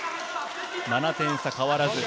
７点差変わらず。